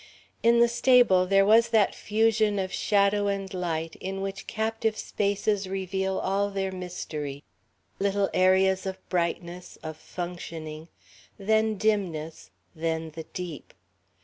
In the stable there was that fusion of shadow and light in which captive spaces reveal all their mystery. Little areas of brightness, of functioning; then dimness, then the deep.